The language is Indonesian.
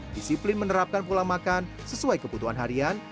disiplin menerapkan pola makan sesuai kebutuhan harian